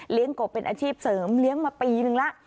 กบเป็นอาชีพเสริมเลี้ยงมาปีนึงแล้ว